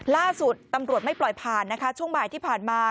ล่าสุดตำรวจไม่ปล่อยผ่านนะคะช่วงบ่ายที่ผ่านมา